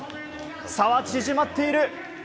差は縮まっている！